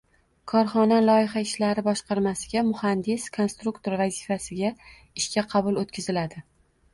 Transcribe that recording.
Korxona loyiha ishlari boshqarmasiga “muhandis-konstruktor” vazifasiga ishga qabul oʻtkaziladi.